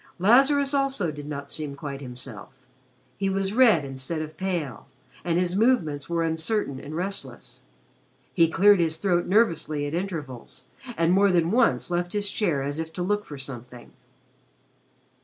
Lazarus also did not seem quite himself. He was red instead of pale, and his movements were uncertain and restless. He cleared his throat nervously at intervals and more than once left his chair as if to look for something.